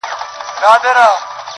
د هندو له کوره هم قران را ووت ,